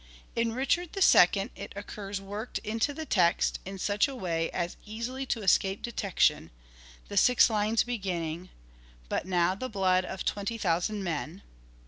In " Richard II " it occurs worked into the text in such a way as easily to escape detection ; the six lines beginning :" But now the blood of twenty thousand men."